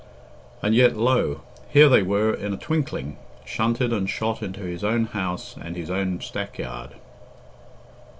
And yet, lo! here they were in a twinkling, shunted and shot into his own house and his own stackyard.